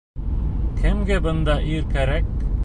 Кемгә бында ир кәрәк?!